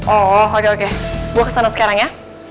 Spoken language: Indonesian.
oh oke oke gue kesana sekarang ya